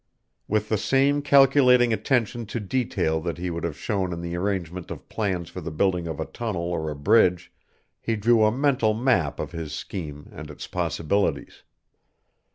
With the same calculating attention to detail that he would have shown in the arrangement of plans for the building of a tunnel or a bridge, he drew a mental map of his scheme and its possibilities.